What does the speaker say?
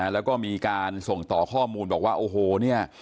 แล้วก็มีการส่งต่อข้อมูลบอกว่าโอ้โหเนี่ย